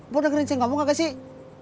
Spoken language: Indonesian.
mau dengerin cengkau kakak sih